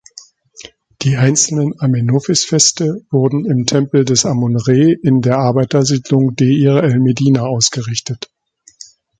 Die einzelnen Amenophis-Feste wurden im Tempel des Amun-Re in der Arbeitersiedlung Deir el-Medina ausgerichtet.